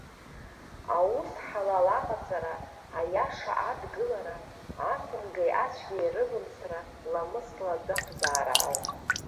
Аус ҳалал аҟаҵара, аиаша адгылара, ахәымгеи ацәгьеи рывымсра, ламысла адәы ақәзаара ауп.